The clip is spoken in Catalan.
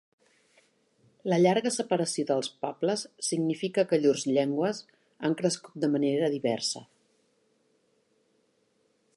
La llarga separació dels pobles significa que llurs llengües han crescut de manera diversa.